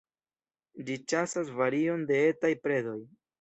Ĝi ĉasas varion de etaj predoj.